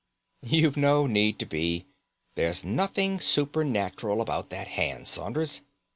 "You've no need to be. There's nothing supernatural about that hand, Saunders.